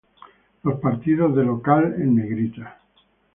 Los partidos de local en negrita.